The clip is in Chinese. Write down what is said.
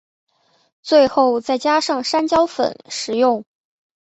最后再加上山椒粉食用。